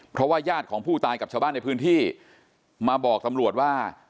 เพราะว่าญาติของผู้ตายกับชาวบ้านในพื้นที่มาบอกตำรวจว่า